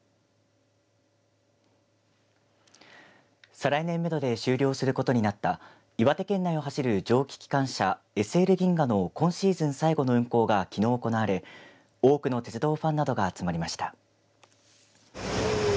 再来年めどで終了することになった岩手県内を走る蒸気機関車ＳＬ銀河の今シーズン最後の運行がきのう行われ多くの鉄道ファンなどが集まりました。